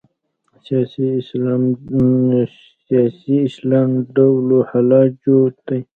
سیاسي اسلام ډلو حال جوت دی